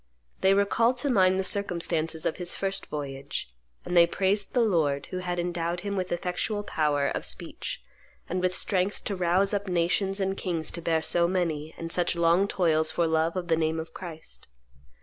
They recalled to mind the circumstances of his first voyage; and they praised the Lord who had endowed him with effectual power of speech and with strength to rouse up nations and kings to bear so many and such long toils for love of the name of Christ.